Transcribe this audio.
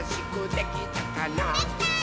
できたー！